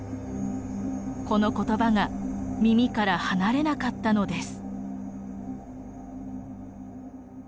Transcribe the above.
この言葉が耳から離れなかったのです。